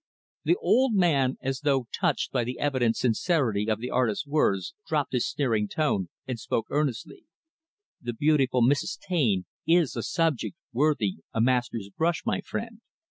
The older man, as though touched by the evident sincerity of the artist's words, dropped his sneering tone and spoke earnestly; "The beautiful Mrs. Taine is a subject worthy a master's brush, my friend.